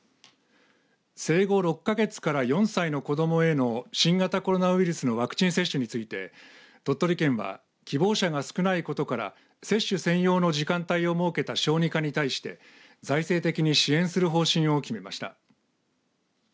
生後６か月から４歳の子どもへの新型コロナウイルスのワクチン接種について鳥取県は希望者が少ないことから接種専用の時間帯を設けた小児科に対して財政的に支援する方針を決めました。